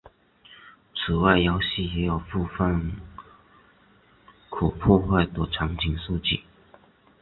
此外游戏也有部分可破坏的场景设计。